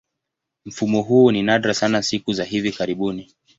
Mfumo huu ni nadra sana siku za hivi karibuni.